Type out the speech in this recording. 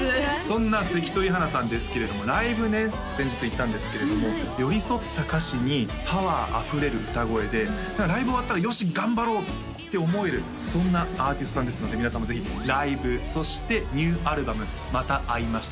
そんな関取花さんですけれどもライブね先日行ったんですけれども寄り添った歌詞にパワーあふれる歌声で何かライブ終わったらよし頑張ろうって思えるそんなアーティストさんですので皆さんもぜひライブそしてニューアルバム「また会いましたね」